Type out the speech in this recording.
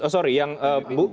sorry yang bukan